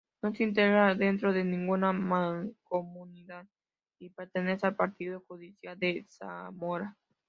No se integra dentro de ninguna mancomunidad y pertenece al partido judicial de Zamora.